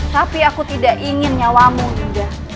tapi aku tidak ingin nyawamu indah